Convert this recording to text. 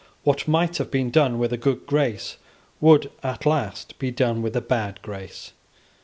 What might have been done with a good grace would at last be done with a bad grace.